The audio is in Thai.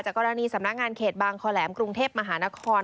กรณีสำนักงานเขตบางคอแหลมกรุงเทพมหานคร